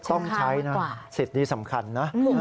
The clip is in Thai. ต้องใช้นะสิทธิ์นี้สำคัญนะ